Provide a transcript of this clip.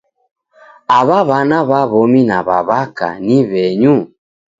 Aw'a w'ana w'a w'omi na w'a w'aka ni w'enyu?